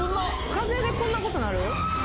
風でこんなことなる？